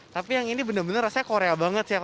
tapi yang ini benar benar rasanya korea banget ya